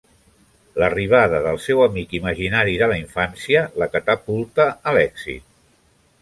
L'arribada del seu amic imaginari de la infància la catapulta a l'èxit.